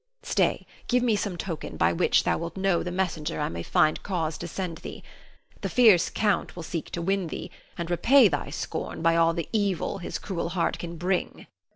Stay, give me some token, by which thou wilt know the messenger I may find cause to send thee. The fierce Count will seek to win thee, and repay thy scorn by all the evil his cruel heart can bring.